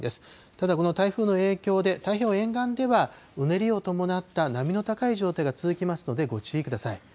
ただ、この台風の影響で、太平洋沿岸ではうねりを伴った波の高い状態が続きますのでご注意ください。